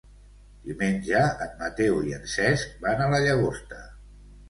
Diumenge en Mateu i en Cesc van a la Llagosta.